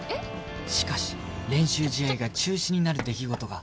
しかし練習試合が中止になる出来事が